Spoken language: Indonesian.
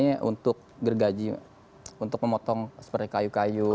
ini untuk gergaji untuk memotong seperti kayu kayu